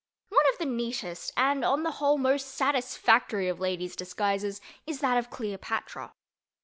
One of the neatest and, on the whole, most satisfactory of ladies' disguises is that of Cleopatra.